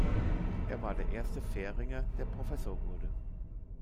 Er war der erste Färinger, der Professor wurde.